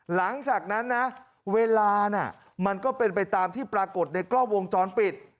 หลังจากนั้นนะเวลาน่ะมันก็เป็นไปตามที่ปรากฏในกล้องวงจรปิด